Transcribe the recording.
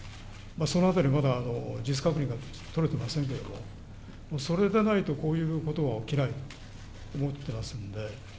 そのあたり、まだ事実確認が取れてませんけれども、それでないと、こういうことは起きないと思ってますので。